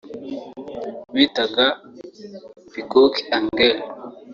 bitaga “Peacock Angel”